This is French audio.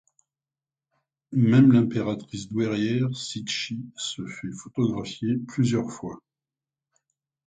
Même l'impératrice douairière Cixi se fit photographier plusieurs fois.